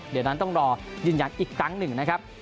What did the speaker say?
เดี๋ยวนั้นต้องรอยืนยันอีกครั้งหนึ่งนะครับ